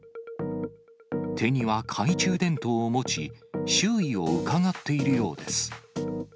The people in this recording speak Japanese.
手には懐中電灯を持ち、周囲をうかがっているようです。